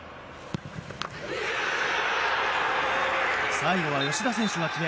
最後は吉田選手が決め